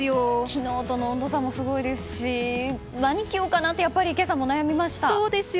昨日との温度差もすごいですし何を着ようかなって今朝もやっぱり悩みました。